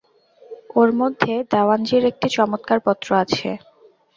ওর মধ্যে দেওয়ানজীর একটি চমৎকার পত্র আছে।